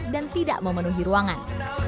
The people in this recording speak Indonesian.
dan tidak memenuhi ruangan